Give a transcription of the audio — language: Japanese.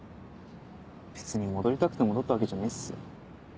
別に戻りたくて戻ったわけじゃないっすよ。